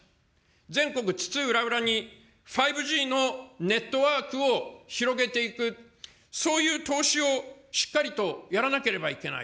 全国津々浦々に５Ｇのネットワークを広げていく、そういう投資をしっかりとやらなければいけない。